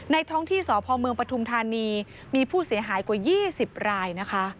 ในท้องที่สพปทุมธานีมีผู้เสียหายกว่า๒๐ราย